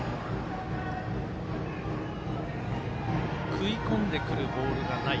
食い込んでくるボールがない。